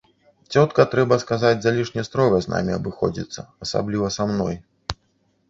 Цётка, трэба сказаць, залішне строга з намі абыходзіцца, асабліва са мной.